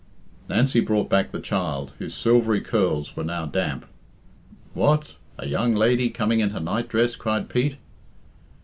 Nancy brought back the child, whose silvery curls were now damp. "What! a young lady coming in her night dress!" cried Pete.